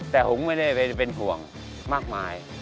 แต่ผมไม่ได้เป็นห่วงมากมาย